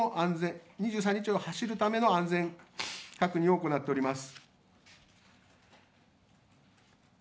２３日を走るための、安全確認を行っております。